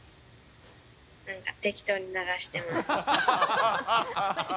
なんか適当に流してます。